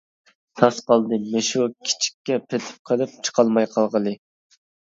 تاس قالدىم مۇشۇ كىچىككە پېتىپ قېلىپ چىقالماي قالغىلى!